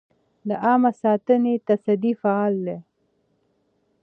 د عامه ساتنې تصدۍ فعال ده؟